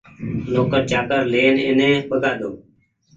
نوڪر چآڪر لين ايني ٻگآۮو ني